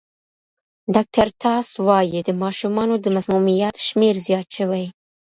ډاکټر ټاس وايي د ماشومانو د مسمومیت شمېر زیات شوی.